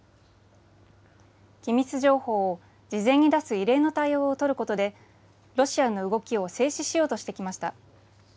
機密情報を事前に出す異例の対応を取ることで、ロシアの動きを制止しようとしてきました。